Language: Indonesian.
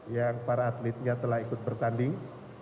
yang para atletnya telah ikut bertanding